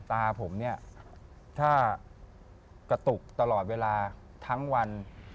ตาผมเนี่ยถ้ากระตุกตลอดเวลาทั้งวัน